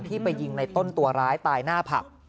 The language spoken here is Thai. ไปยิงในต้นตัวร้ายตายหน้าผับ